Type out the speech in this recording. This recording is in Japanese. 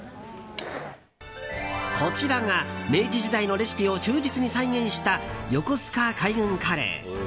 こちらが明治時代のレシピを忠実に再現したよこすか海軍カレー。